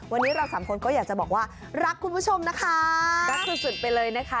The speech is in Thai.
วันนี้เราสามคนก็อยากจะบอกว่ารักคุณผู้ชมนะคะรักสุดสุดไปเลยนะคะ